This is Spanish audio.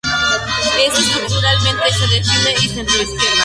Estructuralmente se define de centroizquierda.